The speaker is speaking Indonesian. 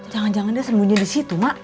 jangan jangan dia sembunyi di situ mak